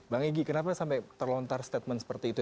bang egy kenapa sampai terlontar statement seperti itu